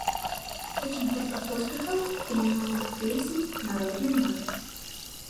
Зычым гурту поспехаў і новых песень на роднай мове!